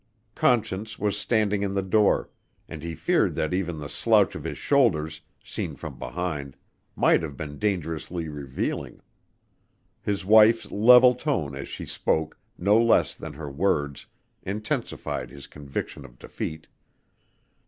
Conscience was standing in the door and he feared that even the slouch of his shoulders, seen from behind, might have been dangerously revealing. His wife's level tone as she spoke, no less than her words, intensified his conviction of defeat.